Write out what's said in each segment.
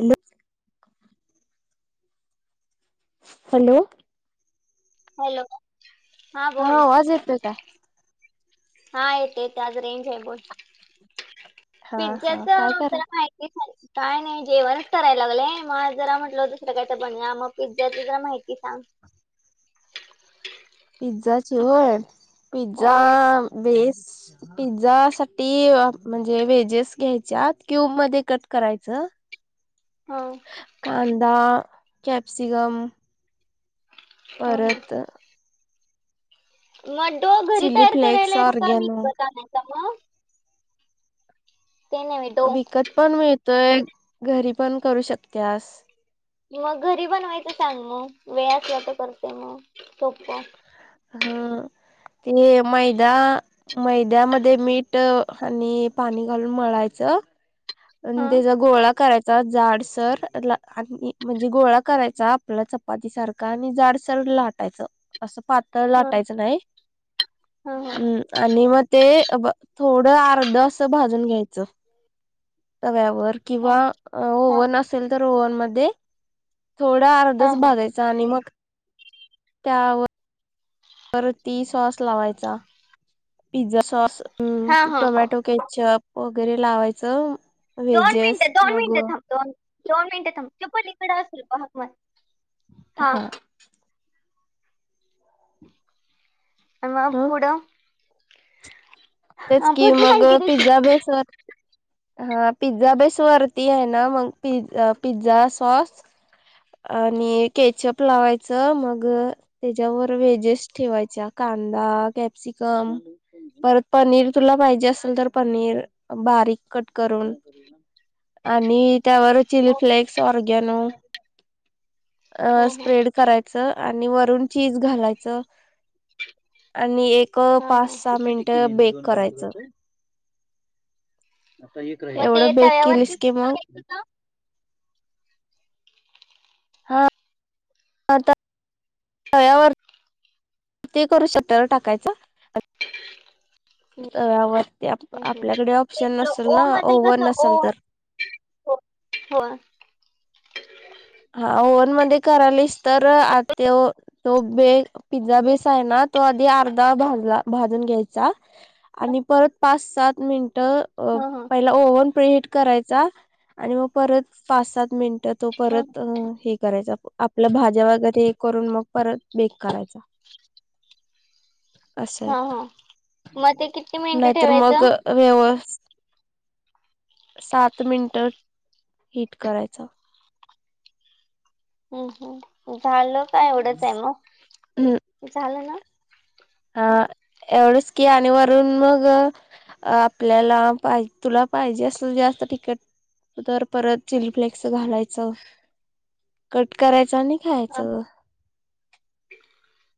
अॅल hello, hello, हा आवाज येतोय का? हा येते त्या आज रेंज आहे बोल हा पिझ्झाच हा काय करा जला माहिती झा काय नाही जेवणच करायला लागलंय मग जरा म्हटलं दुसरं काय तर बन मग पिझ्झा जरा माहिती सांग. पिझ्झाची होय, होय पिझ्झा बेस पिझ्झा साठी म्हणजे व्हेजेस घ्यायच्या क्यूब मध्ये कट करायचं हो. कांदा, कॅप्सिकम हा परत मगडो घरी चिली तयार फ्लेक्स करायला येतोय काय ऑरगॅनो वीकत आणायच. ते नव्हे डो विकत पण मिळतोय घरी पण करू शकते आस मग घरी बन व्हायचं सांग मग वेळ अस वा तर करते मग सोपं हा ते मैदा, मैद्यामध्ये मीठ आणि पाणी घालून मळायचं. आणि हा त्याचा गोळा करायचा. डसर म्हणजे गोळा करायचा आपल्याला चपाती सारख आणि जाडसर लाटायचं असं पातळ हा लाटायचं नाही हा हम् आणि मग ते थोडं अर्ध असं भाजून घ्यायचं. तव्यावर हा किंवा हा ओव्हन असेल तर ओव्हन मध्ये थोडा हा अर्धच भागायचा आणि मग त्यावर तर ती सॉस लावायचा. पिझ्झा सॉस, हा हा हा टोमॅटो केचप, वगैरे लावायचं दोन व्हेजेस मिनिटं दोन मग मिनिटं थांब दो दोन मिनिटं थांब तोपललीकडं असेल पक मग हा. आ मग पुुडं तेच की मग पिझ्झा बेसवर हा पिझ्झा बेस वरती आहे ना मग पि पिझ्झा सॉस आणि केचअप लावायचं मग त्याच्यावर व्हेजेस ठेवायच्या कांदा कॅप्सिकम परत पनीर तुला पाहिजे असेल तर पनीर बारीक कट करून आणि त्यावररच चिली हा फ्लेक्स ऑरगॅनो हा स्प्रेड कराय आणि वरून चीज घालाच आणि एक हा पाच हा सहा मिन त बेक करायचं. मग ते एवढं बेक केलीस तव्यावरतीच की मग, करायचं का? हतायावर ते करू शक्यावर टाकायचं [inaudible] हम्म वर ते हम्म आपल्याकडे ते ऑप्शन आपलं नसेल ओ ना मध्ये ओव्हन कसं ओ नसेल तर हो हो. हा ओव्हन मध्ये करालीस तर आत्यो तो बे पिझ्झा बेस आहे ना तो आधी अर्धा भाजला भाजून घ्यायचा. आणी परत पाच सात मिनट ह ओव्ह हट करायचा आणि मग परत पाच सात मिनट तो ह परत करायचा आपलं भाज्या वगैरे हे करून मग परत बेक करायचा. असं हा हा मग आहे ते किती मिनिटं नाहीतर मग. ठेवायचं? व्यवस् सात मिनिट हीट करायचं. हम् हम् झालं का एवढंच आहे मग झालं ना. अ एवढंच की आणि वरून मग. आपल्याला पाहिज तुला पाहिजे अस जास्त तिकट. तर परत चिली फ्लेक्स घालायचं कट करायचं आणि खायचं.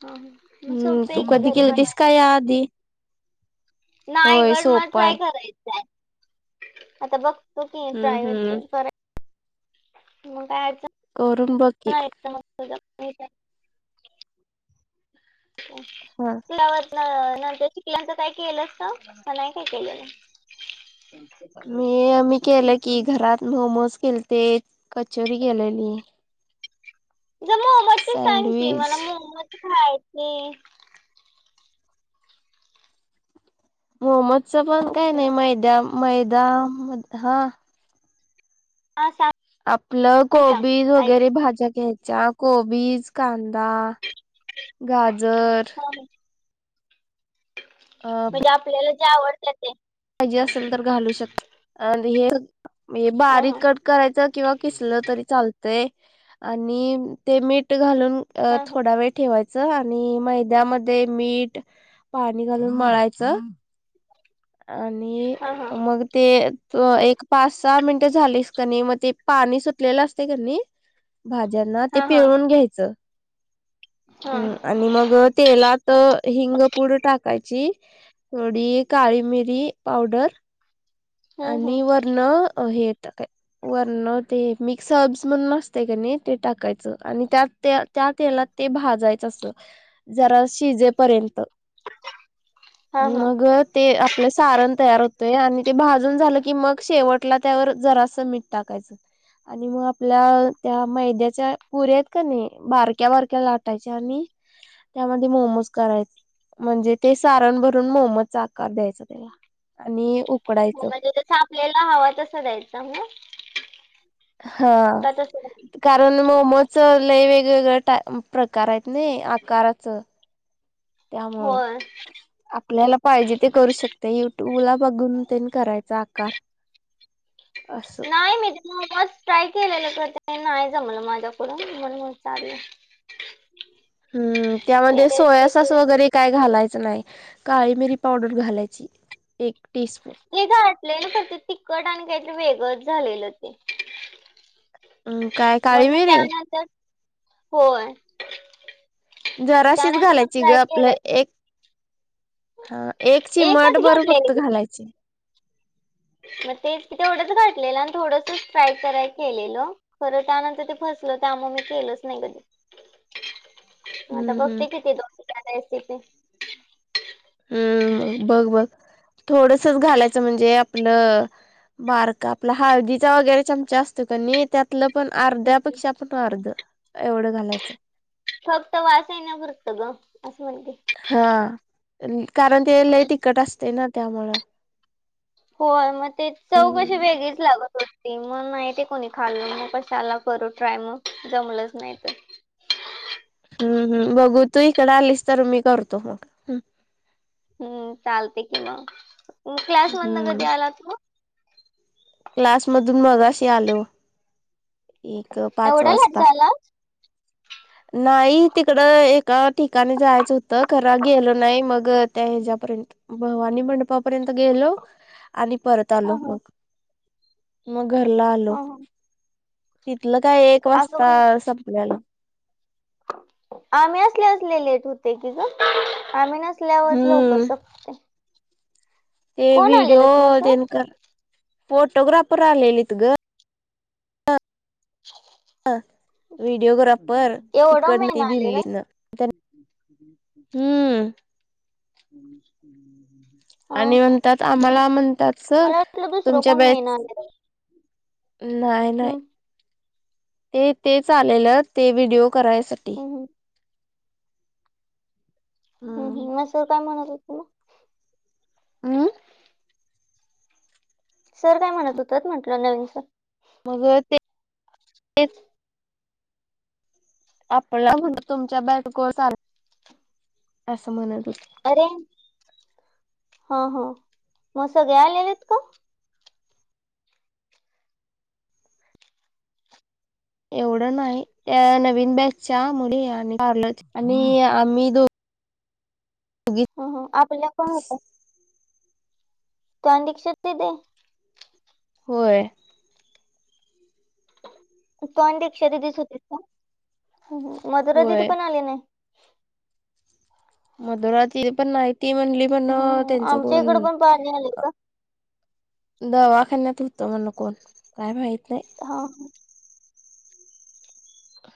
ह. हम्म तू कधी केलंतीस काय या आधी. होय नायगड मला सोपं ट्राय आहे. करायचं आहे आता बघतो की हम्म ट्रायवट हम्म मग कायचं. करून बघ की. तर. त [unintelligible] ह हा. शल्यावर नंतर शिकल्यांच काय केलं असत म नाही काय केलेलं. मी मी केलं की घरात मोमोज केलते. कचोरी केलेली. जरा मोमोज सांगकी सँडविच मला मोमोज खायचे. मोमोजच पण काय हॅलो नाही मैदा मैदा हा हा सांग आपलं सांग कोबी ऐक वगैरे भाज्या घ्यायच्या. कोबीज कांदा गाजर. हा अ म्हणजे आपल्याला जे आवडत ते. पाहिजे असेल तर घालू शक आणि हे हा हा बारीक करायच किंवा किसलं तरी चालतंय आणि ते मीठ घालून. अ हा थोडा वेळ ठेवायचं आणि मैद्यामध्ये मीठ पाणी घालून मळायचं. आणि हा हा मग ते. त एक पाच सहा मिनिटे झालीस क नाही मग ते पाणी सुटलेलं असते कनी. भाज्यांना ते हा हा पिळून घ्यायचं हा ह आणि मग, तेलात हिंगपूड टाकायची थोडी काळी मिरी पावडर हम्म हम्म आणि वरन हे टाकाय वरन ते मिक्स अब्स म्हणून असते का नाही ते टाकायचं आणि त्यात त्या, त्या तेलात ते भाजायचं अस जरा शिजेपर्यंत. हा हा मग ते आपलं सारण तयार होतोय आणि ते भा जून झालं की मग शेवटला त्यावर जरास मीठ टाकायचं. आणि मग आपल्या त्या मैद्याच्या पुऱ्या आहेत का नाही बारक्या बारक्या लाटायच्या आणि त्यामध्ये मोमोज करायच म्हणजे ते सारण भरून मोमोजचा आकार द्यायचा त्याला आणि. उकडायचं म्हणजे जस आपल्याला हव तस द्यायचं म हा कारण मोमोचं ल वेगवेगळा प्रकार आहेत ना आकाराचं. त्यामुळं. होय आपल्याला पाहिजे ते करू शकते युट्यूबला बघून तेन करायचा आकार अससं नाही मी तच ट्राय केलेलं तर ते नाही जमलं माझ्याकडून म्हणून म विचारलं. हम्म ते त्यामध्ये सोया रेसिपी सॉस वगरे. काय घालायचं नाही काळी मिरी पावडर घालायची एक टीस्पून. ते घाटलेल तर ते तिखट आणि काहीतरी वेगंच झालेलं ते. अं, काय काळी मग मग मिरी त्यानंतर होय. जराशीच त्यानंतर मग घालायची ग फ्राय आपलं केलं एक. हा एक चि मठ एकच बर फक्त घेतलेली घालायची. मग तेच क तेवढंच घाठलेलं आणि थोडसच ट्राय कराय केलेलं. खरं त्यानंतर ते फसलं त्यामुळे मी केलंच नाही कधी. ह [unintelligible] आता बघते किती दो रेसिपी. हम्म बघ बघ थोडसच घालायचं म्हणजे आपलं, बारका आपला हळदीचा वगैरे चमचा असतो कानी त्यात त्यालं पण अर्ध्यापेक्षा पण अर्ध एवढं घालायचं. फक्त वास ये ना पुरत ग असं म्हणते. हा कारण ते लई तिकट असते ना त्यामुळं. होय मग ते चव कशी हम्म वेगळीच लागत हो. ते मग नाही ते कोणी खाल्ल मग कशाला करू ट्राय मग जमलंच नाहीत. हम्म हम् बघू तू इकडे आलीस तर मी करतो मग. हम्म चालते कि मग क्लास मदन हम्म कधी आलात मग. क्लास मधून मगाशी आलो एक पाच एवढा लेट वाजता. झाला [unintelligible] नाही तिकड एका ठिकाणी जायचं होतं खरां गेल नाही मग त्या हेच्यापर्यंत. भवानी मंडपापर्यंत गेलो आणि परत हा आलो हा मग. मग घरला आलो हा हा तिथलं काय एक असं वाजता पण संपल्याला. आम्ही असल्यावच लय लेट होते की ग आम्ही नसल्यावरच लवकर हम्म सपते. ते व्हिडिओ मग तेन सर कर फोटोग्राफर आलेले त ग. ह [unintelligible] व्हिडिओग्राफर एवढं तिकडन मेन ती आलेलं दिलीतन. हम्म. हं, आणि हं. म्हणतात आम्हाला म्हणतात सर मला वाटलं दुसरं तुमच्या कोण मेन बॅच आलेलं नाहीय नाही. हं, ते तेच आलेलं ते व्हिडिओ करायसाठी हं, हं, हम् हम्म हम म सर काय म्हणत होते तुला. आं सर काय म्हणत होतीत म्हटलं नवीन सर मग ते आपला म्हण तुमच्या बॅच को चाल असं म्हणत होते अरे हा ह मग सगळे आलेलेत का एवढं नाही त्या नवीन बॅच च्या मुली आणि आणि आम्ही दोघी ह आपल्या कोण होत [unintelligible] होय. तो आणि दक्षा दिदीच होतेस का मधुरा दिदी होय पण आले नाही. मधुराती पण नाहीती ती म्हणली म्हण हं, हं. त्यांचं आमच्या कोण इकडे पण पाणी आले का दवाखान्यात होतं मण कोण काय माहीत नाही. हा ह.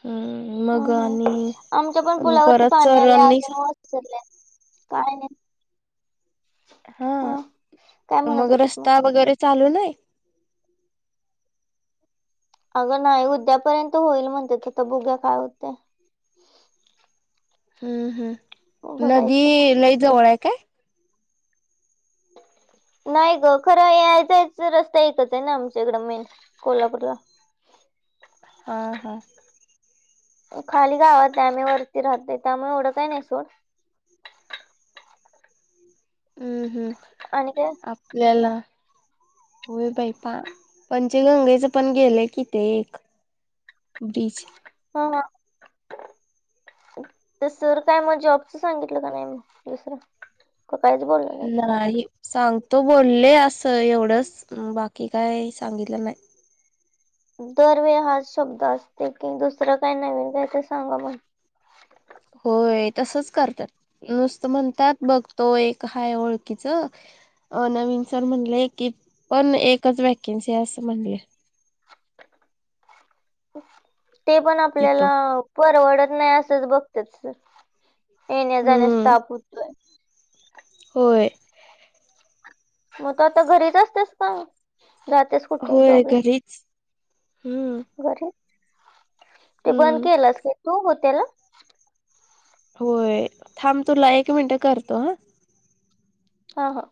हम्म हा मग हा. आमच्या पण आणि पुलावरती परत पाणी आले सरणनी अजून सांग काय नाही हा ह काय म्हणत मग होते रस्ता वगैरे चालू नाही अगं नाही उद्यापर्यंत होईल म्हणते तर तर बुग्या काय होतते हम्म हम्म नदी बघायचं मग लय जवळ आहे काय? नाही ग खरं यायचा आहेच रस्ता एकच आहे ना आमच्या इकडं मेन कोल्हापूरला हा हा खाली गावात त्यामे वरती राहते त्यामुळे एवढं काही नाही सोड हम्म हम्म आणि का आपल्याला होय बाई पा पंचगंगेचं पण गेलंय किथे एक ब्रिज ह सर काय मग जॉबचं सांगितलं का नाही म दुसरं काहीच बोल नाही सांगतो बोलले असं एवढंच बाकी काय सांगितलं नाही दरवेळ हाच शब्द असते की दुसरं काय नवीन काय तर सांगा मग होय तसच करतात नुसतं म्हणतात बघ तो एक हाय ओळखीच अ नवीन सर म्हणले की पण एकच वॅकेन्सी आहे असं म्हणली ते पण तिथं. आपल्याला परवडत नाही असंच बघतात येण्या जाण्यास हम्म ताप होतोय होय मग त आता घरीच असतेस का जातस होय घरीच हम्म घर ते बंद हम्म. केलंस का तू हो त्याला होय थांब तुला एक मिनिटं करतो हा ह हा